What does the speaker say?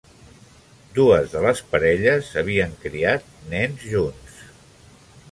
Dues de les parelles havien criat nens junts.